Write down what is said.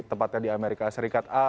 tepatnya di amerika serikat